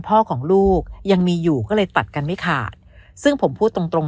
พ่อของลูกยังมีอยู่ก็เลยตัดกันไม่ขาดซึ่งผมพูดตรงตรง